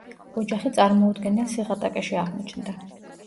ოჯახი წარმოუდგენელ სიღატაკეში აღმოჩნდა.